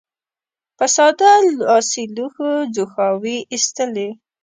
په ساده لاسي لوښو ځوښاوې اېستلې.